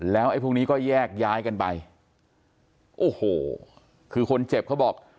แล้วไอ้พวกนี้ก็แยกย้ายกันไปโอ้โหคือคนเจ็บเขาบอก